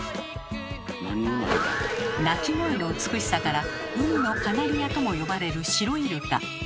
鳴き声の美しさから「海のカナリア」とも呼ばれるシロイルカ。